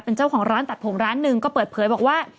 เป็นเจ้าของร้านตัดผมร้านหนึ่งก็เปิดเผยบอกว่า